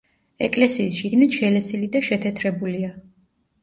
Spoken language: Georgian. ეკლესიის შიგნით შელესილი და შეთეთრებულია.